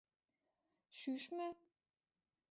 — Шӱшмӧ?!.